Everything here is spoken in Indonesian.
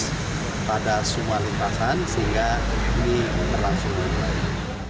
kita sudah ada semua lintasan sehingga ini sudah terlangsung dengan baik